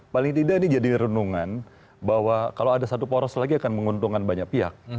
paling tidak ini jadi renungan bahwa kalau ada satu poros lagi akan menguntungkan banyak pihak